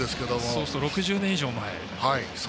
そうすると６０年以上前。